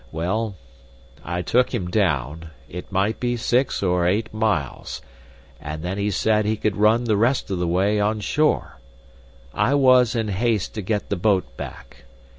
Well, I took him down it might be six or eight miles and then he said he could run the rest of the way on shore. I was in haste to get the boat back.